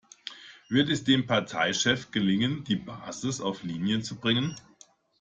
Wird es dem Parteichef gelingen, die Basis auf Linie zu bringen?